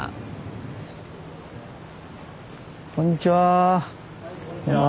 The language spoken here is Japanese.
こんにちは。